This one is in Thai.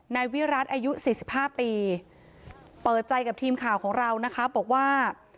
นายวิรัติอายุ๔๕ปีเปิดใจกับทีมข่าวของเรานะคะบอกว่า